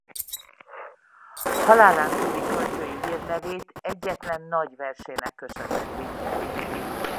Halálán túli költői hírnevét egyetlen nagy versének köszönheti.